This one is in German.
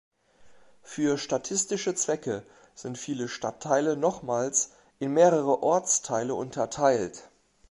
Für statistische Zwecke sind viele Stadtteile nochmals in mehrere "Ortsteile" unterteilt.